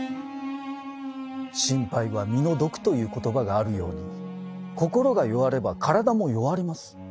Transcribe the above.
「心配は身の毒」という言葉があるように心が弱れば体も弱ります。